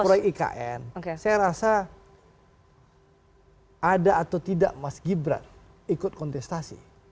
proyek ikn saya rasa ada atau tidak mas gibran ikut kontestasi